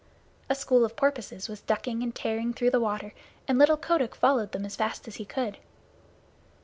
A school of porpoises were ducking and tearing through the water, and little Kotick followed them as fast as he could.